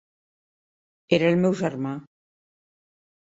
Era el meu germà.